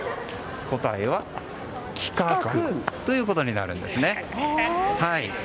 答えは、きかくということになるんです。